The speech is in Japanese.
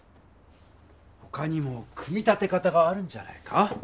ほかにも組み立て方があるんじゃないか？